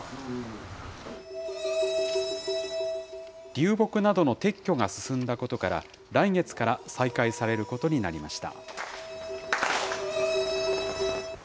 流木などの撤去が進んだことから、来月から再開されることになりました。